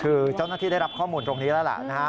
คือเจ้าหน้าที่ได้รับข้อมูลตรงนี้แล้วล่ะนะฮะ